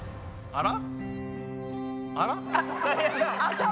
あら？